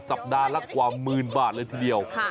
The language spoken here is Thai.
สัปดาห์ละกว่าหมื่นบาทเลยทีเดียว